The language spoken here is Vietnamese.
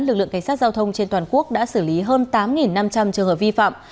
lực lượng cảnh sát giao thông trên toàn quốc đã xử lý hơn tám năm trăm linh trường hợp vi phạm